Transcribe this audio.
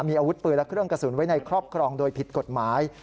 มีอาวุธปืนและเครื่องกระสุนไว้ในครอบครองโดยผิดกฎหมาย